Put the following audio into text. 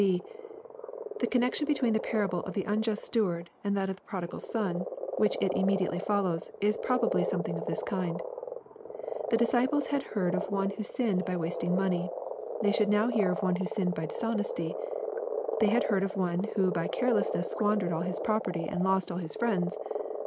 (B.) The connection between the parable of the unjust steward, and that of the prodigal son, which it immediately follows, is probably something of this kind. The disciples had heard of one who sinned by wasting money. They should now hear of one who sinned by dishonesty. — They had heard of one who by carelessness squandered all his property and lost all hia friends.